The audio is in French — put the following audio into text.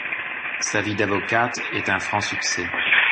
Sa vie d'avocate est un franc succès.